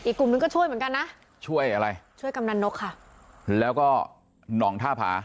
กลุ่มหนึ่งก็ช่วยเหมือนกันนะช่วยอะไรช่วยกำนันนกค่ะแล้วก็หนองท่าผา